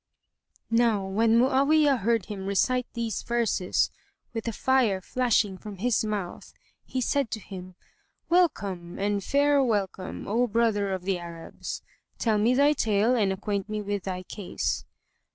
Now when Mu'awiyah heard him recite these verses, with the fire flashing from his mouth, he said to him, "Welcome and fair welcome, O brother of the Arabs! Tell me thy tale and acquaint me with thy case."